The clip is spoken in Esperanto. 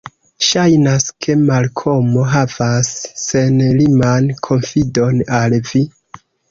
Ŝajnas, ke Malkomo havas senliman konfidon al vi.